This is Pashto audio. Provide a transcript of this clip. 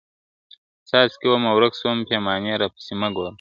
څاڅکی ومه ورک سوم پیمانې را پسي مه ګوره ..